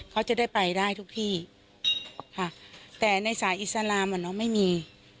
เขาจะได้ไปได้ทุกที่ค่ะแต่ในสายอิสลามอ่ะน้องไม่มี